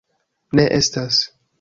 Ne estas.